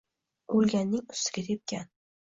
«o‘lganning ustidan tepgan»